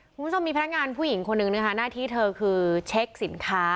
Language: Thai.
คุณผู้ชมมีพนักงานผู้หญิงคนหนึ่งนะคะหน้าที่เธอคือเช็คสินค้า